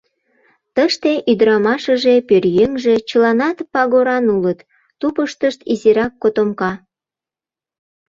Тыште ӱдырамашыже, пӧръеҥже — чыланат пагоран улыт, тупыштышт — изирак котомка.